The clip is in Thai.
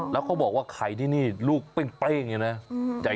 แล้วก็บอกว่าไข่ที่นี่ลูกเป้ยอย่างนี้นะ